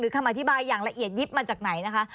คำอธิบายอย่างละเอียดยิบมาจากไหนนะคะ